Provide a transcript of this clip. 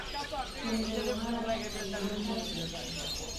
Кемдер уға һине бында тип әйткән.